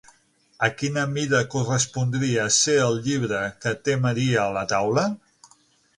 A quina mida correspondria ser el llibre que té Maria a la taula?